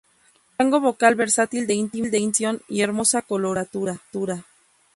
Rango vocal versátil de íntima dicción y hermosa coloratura.